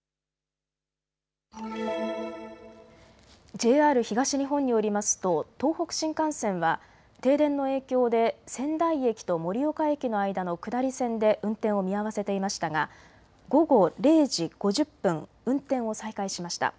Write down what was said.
ＪＲ東日本によりますと東北新幹線は停電の影響で仙台駅と盛岡駅の間の下り線で運転を見合わせていましたが午後０時５０分運転を再開しました。